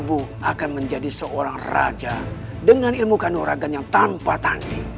kakanda dinda sangat merindukan kakanda